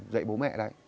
dạy bố mẹ đấy